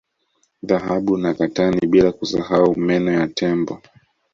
Dhahabu na katani bila kusahau meno ya Tembo